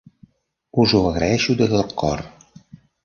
Us ho agraeixo de tot cor.